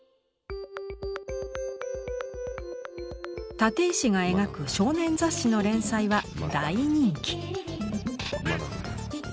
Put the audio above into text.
立石が描く少年雑誌の連載は大人気。